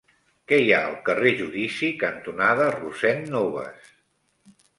Què hi ha al carrer Judici cantonada Rossend Nobas?